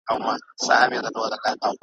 جهاني خپل جنون له ښاره بې نصیبه کړلم ,